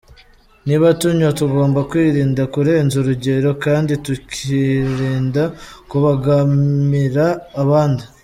Niba tunywa tugomba kwirinda kurenza urugero, kandi tukirinda kubangamira abandi.